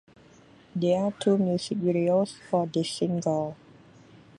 There are two music videos for this single.